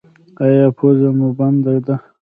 ایا پوزه مو بنده ده؟